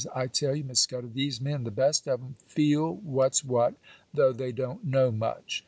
I tell you, Miss Scudder, these men, the best of 'em, feel what's what, though they don't know much.